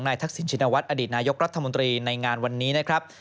ทักษิณชินวัฒนอดีตนายกรัฐมนตรีในงานวันนี้นะครับ